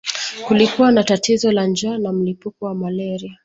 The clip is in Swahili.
Kulikuwa na tatizo la njaa na mlipuko wa malaria